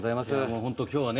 本当、今日はね